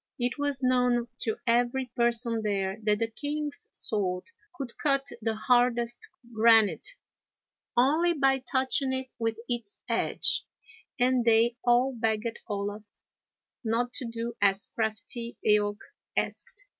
It was known to every person there that the king's sword could cut the hardest granite, only by touching it with its edge, and they all begged Olaf not to do as crafty Eaoch asked.